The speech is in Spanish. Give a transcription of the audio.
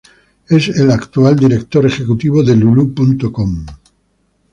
Él es el actual director ejecutivo de Lulu.com.